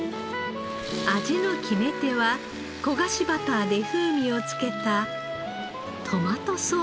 味の決め手は焦がしバターで風味をつけたトマトソース。